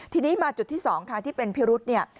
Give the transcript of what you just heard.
ทีนี้มาจุดที่๒ค่ะที่เป็นพิรุษเนี่ย